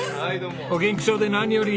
お元気そうで何より。